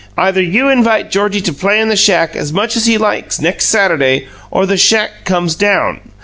Either you invite Georgie to play in the shack as much as he likes next Saturday, or the shack comes down."